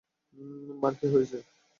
মা-র কি হয়েছে?